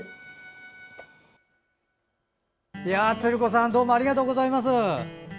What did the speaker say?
つる子さんどうもありがとうございます。